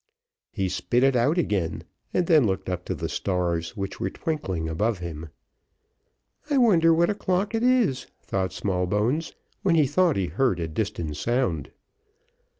He spit it out again, and then looked up to the stars, which were twinkling above him. I wonder what o'clock it is, thought Smallbones, when he thought he heard a distant sound.